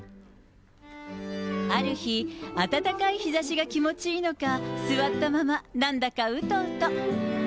ある日、暖かい日ざしが気持ちいいのか、座ったまま、なんだかうとうと。